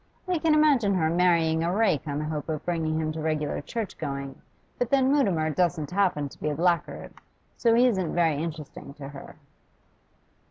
I can imagine her marrying a rake on the hope of bringing him to regular churchgoing, but then Mutimer doesn't happen to be a blackguard, so he isn't very interesting to her.